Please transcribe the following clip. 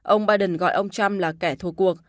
ông biden gọi ông trump là kẻ thua cuộc